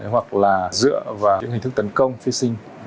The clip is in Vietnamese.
hoặc là dựa vào những hình thức tấn công phi sinh